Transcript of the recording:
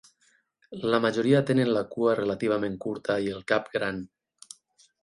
La majoria tenen la cua relativament curta i el cap gran.